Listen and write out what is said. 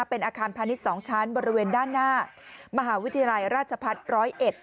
เป็นอาคารพาณิชย์๒ชั้นบริเวณด้านหน้ามหาวิทยาลัยราชพัฒน์ร้อยเอ็ด